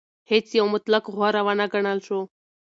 هیڅ یو مطلق غوره ونه ګڼل شو.